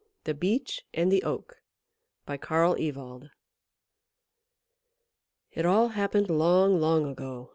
THE BEECH AND THE OAK By Carl Ewald It all happened long, long ago.